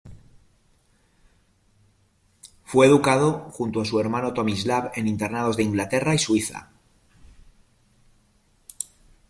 Fue educado junto a su hermano Tomislav en internados de Inglaterra y Suiza.